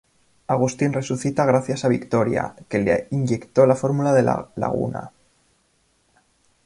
Agustín resucita gracias a Victoria, que le inyectó la fórmula de la laguna.